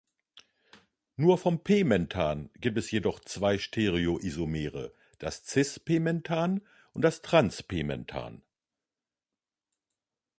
Nur vom "p"-Menthan gibt es jedoch zwei Stereoisomere, das "cis"-"p"-Menthan und das "trans"-"p"-Menthan.